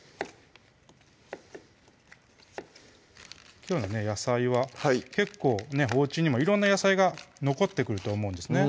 きょうの野菜は結構おうちにも色んな野菜が残ってくると思うんですね